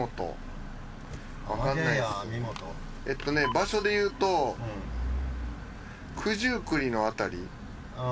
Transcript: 場所でいうと九十九里の辺り。